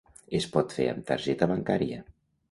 Es pot fer amb targeta bancària.